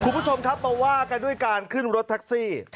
คุณผู้ชมครับมาว่ากันด้วยการขึ้นรถแท็กซี่